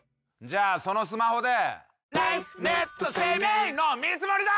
じゃあそのスマホで。